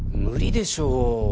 無理でしょ。